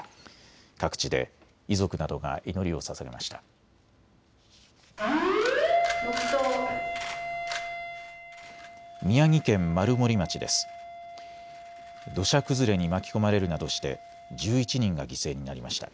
各地で遺族などが祈りをささげました。